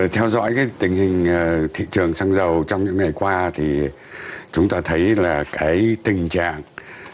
theo dõi cái tình hình thị trường xăng dầu trong những ngày qua thì chúng ta thấy là cái tình trạng